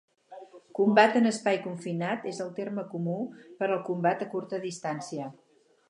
Combat en espai confinat és el terme comú per al combat a curta distància.